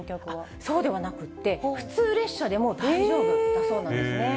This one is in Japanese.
そうではなくて、普通列車でも大丈夫だそうなんですね。